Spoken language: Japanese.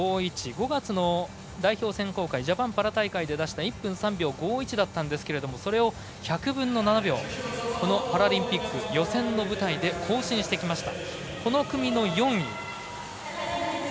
５月の代表選考会ジャパンパラ大会で出した１分３秒５１だったんですがそれを１００分の７秒このパラリンピック予選の舞台で更新してきました。